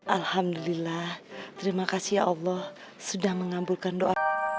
alhamdulillah terima kasih ya allah sudah mengambulkan doa